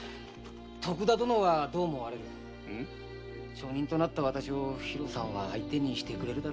町人となった私をひろさんは相手にしてくれるだろうか？